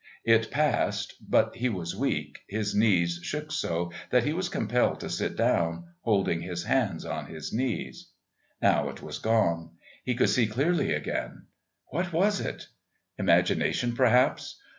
It passed, but he was weak, his knees shook so that he was compelled to sit down, holding his hands on his knees. Now it was gone. He could see clearly again. What was it? Imagination, perhaps.